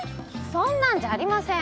そんなんじゃありません。